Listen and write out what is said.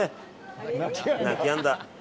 泣きやんだ。